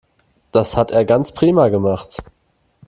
Das hat er ganz prima gemacht.